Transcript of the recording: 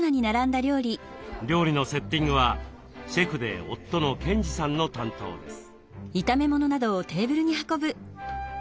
料理のセッティングはシェフで夫の賢治さんの担当です。